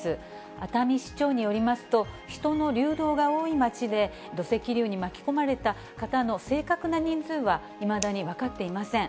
熱海市長によりますと、人の流動が多い街で、土石流に巻き込まれた方の正確な人数は、いまだに分かっていません。